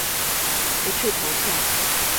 不去投票！